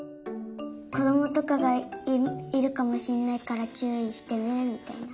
こどもとかがいるかもしれないからちゅういしてねみたいな。